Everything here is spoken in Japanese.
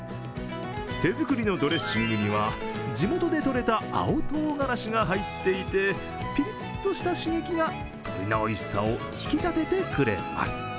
手作りのドレッシングには地元でとれた青とうがらしが入っていてピリッとした刺激が鶏のおいしさを引き立ててくれます。